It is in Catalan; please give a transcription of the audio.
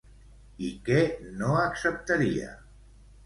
I què no acceptaria?